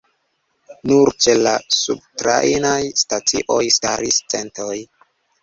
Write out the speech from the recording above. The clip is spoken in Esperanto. Nur ĉe la subtrajnaj stacioj staris centoj.